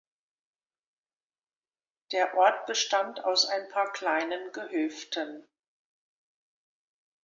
Der Ort bestand aus ein paar kleinen Gehöften.